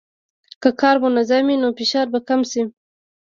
که کار منظم وي، نو فشار به کم شي.